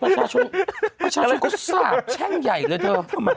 ภาชชุมก็สลาบแช่งใหญ่เลยเธอ